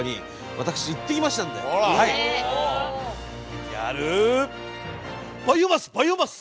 ＶＴＲバイオマスバイオマス！